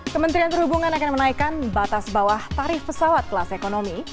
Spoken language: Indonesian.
kementerian perhubungan akan menaikkan batas bawah tarif pesawat kelas ekonomi